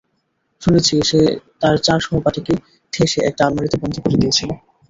শুনেছি সে তার চার সহপাঠীকে ঠেসে একটা আলমারীতে বন্ধ করে দিয়েছিলো।